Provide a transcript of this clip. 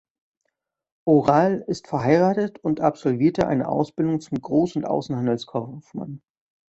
Oral ist verheiratet und absolvierte eine Ausbildung zum Groß- und Außenhandelskaufmann.